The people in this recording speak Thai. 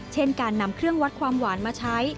เช่นการนำเครื่องวัดความหวานมาใช้